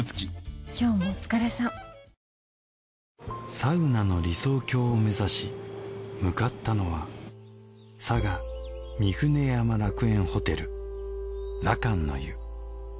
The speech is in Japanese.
サウナの理想郷を目指し向かったのは佐賀御船山楽園ホテルらかんの湯。